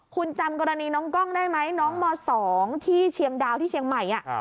คุณจำกรณีน้องกล้องได้ไหมน้องม๒ที่เชียงดาวที่เชียงใหม่